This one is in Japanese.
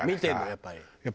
やっぱり。